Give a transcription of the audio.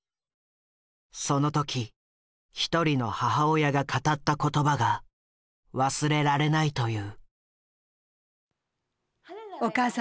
その時１人の母親が語った言葉が忘れられないという。